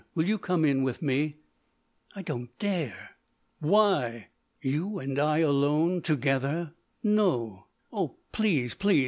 Will you come in with me?" "I don't dare——" "Why?" "You and I alone together—no! oh, please—please!